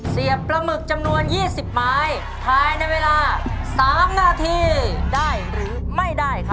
เสียบปลาหมึกจำนวน๒๐ไม้ภายในเวลา๓นาทีได้หรือไม่ได้ครับ